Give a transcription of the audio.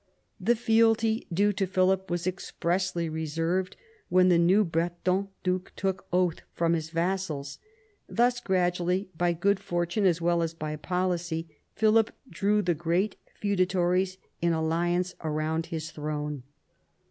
The fealty due to Philip was expressly reserved when the new Breton duke took oath from his vassals. Thus, gradually, by good fortune as well as by policy, Philip drew the great feudatories in alliance round his throne.